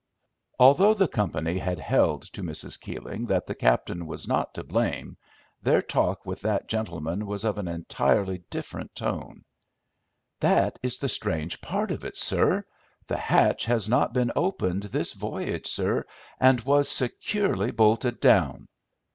Although the company had held to Mrs. Keeling that the captain was not to blame, their talk with that gentleman was of an entirely different tone. "That is the strange part of it, sir. The hatch has not been opened this voyage, sir, and was securely bolted down."